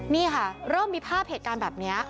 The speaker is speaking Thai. นี่ค่ะเริ่มมีภาพเหตุการณ์แบบนี้